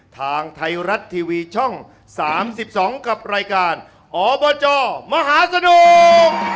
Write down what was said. ทางไทยรัฐทีวีช่อง๓๒กับรายการอบจมหาสนุก